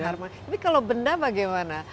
tapi kalau benda bagaimana